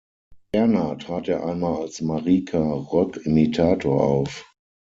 Ferner trat er einmal als Marika-Rökk-Imitator auf.